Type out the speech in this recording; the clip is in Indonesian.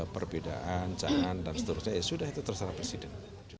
perbedaan caan dan seterusnya ya sudah itu terserah presiden